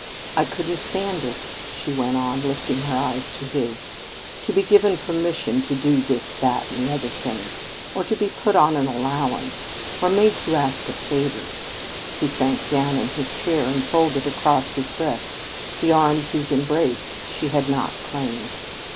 "I couldn't stand it," she went on, lifting her eyes to his, "to be given permission to do this, that, or the other thing; or to be put on an allowance; or made to ask a favor " He sank down in his chair and folded across his breast the arms whose embrace she had not claimed.